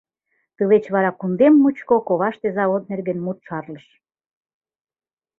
Тылеч вара кундем мучко коваште завод нерген мут шарлыш.